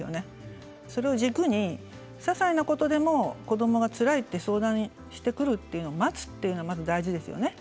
それを軸にささいなことでも子どもがつらいと相談してくることを待つということが大事ですね。